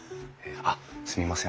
あっすみません